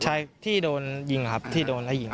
ใช่ที่โดนยิงครับที่โดนแล้วยิง